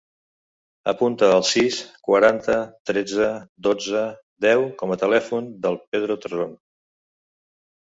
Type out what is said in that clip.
Apunta el sis, quaranta, tretze, dotze, deu com a telèfon del Pedro Terron.